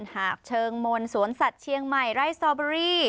หาบเชิงมนต์สวนสัตว์เชียงใหม่ไร่สตอเบอรี่